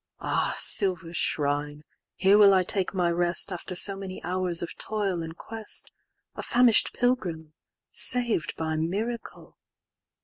"Ah, silver shrine, here will I take my rest"After so many hours of toil and quest,"A famish'd pilgrim,—saved by miracle.